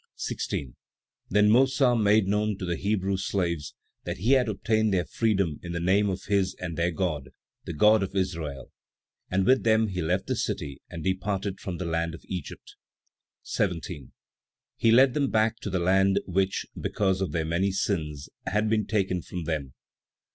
16. Then Mossa made known to the Hebrew slaves that he had obtained their freedom in the name of his and their God, the God of Israel; and with them he left the city and departed from the land of Egypt. 17. He led them back to the land which, because of their many sins, had been taken from them.